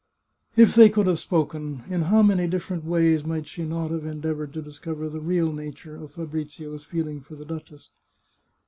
If they could have spoken, in how many different ways might she not have endeavoured to discover the real nature of Fabrizio's feeling for the duchess?